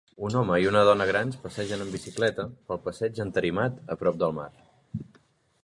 Un home i una dona grans passegen en bicicleta pel passeig entarimat a prop del mar.